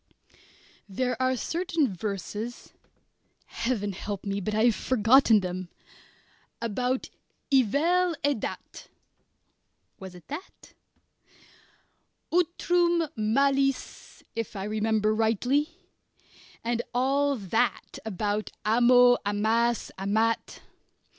There are certain verses Heaven help me, but I have forgotten them! about "i vel e dat" (was it dat?) "utrum malis" if I remember rightly and all that about amo, amas, amat.